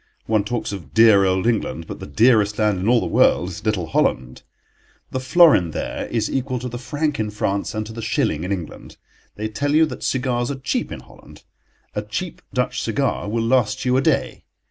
One talks of dear old England, but the dearest land in all the world is little Holland. The florin there is equal to the franc in France and to the shilling in England. They tell you that cigars are cheap in Holland. A cheap Dutch cigar will last you a day.